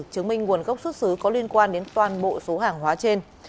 chứng minh nguồn gốc xuất xứ có liên quan đến toàn bộ số hàng hóa trên